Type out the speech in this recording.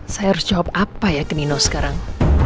saya harus jawab apa ya ke nino sekarang